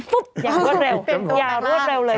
ทุกอย่างก็เร็วเรือดเร็วเลยทีเดียวงั้นจะเป็นตัวรักษุ